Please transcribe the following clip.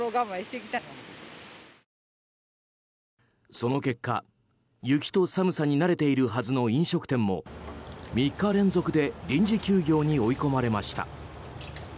その結果、雪と寒さに慣れているはずの飲食店も３日連続で臨時休業に追い込まれました。